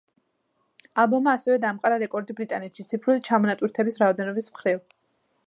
ალბომმა ასევე დაამყარა რეკორდი ბრიტანეთში ციფრული ჩამონატვირთების რაოდენობის მხრივ.